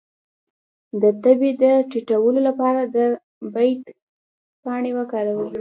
د تبې د ټیټولو لپاره د بید پاڼې وکاروئ